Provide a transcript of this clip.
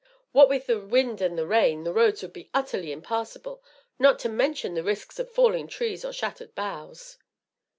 "What with the wind and the rain the roads would be utterly impassable, not to mention the risks of falling trees or shattered boughs."